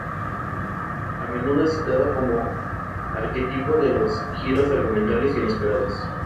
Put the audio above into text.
A menudo es citada como arquetipo de los giros argumentales inesperados.